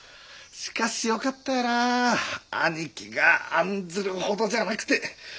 しかしよかったよな兄貴が案ずるほどじゃなくて。